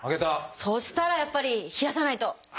そしたらやっぱり冷やさないと。